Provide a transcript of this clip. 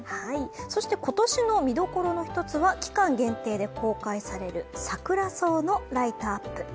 そして今年の見どころの１つは、期間限定で公開されるサクラソウのライトアップ。